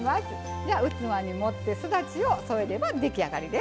器に盛ってすだちを添えれば出来上がりです。